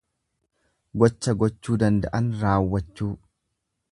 Gocha gochuu danda'an raawwachuu.